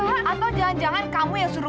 gak ada dimana mana